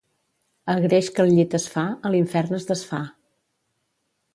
El greix que al llit es fa, a l'infern es desfà.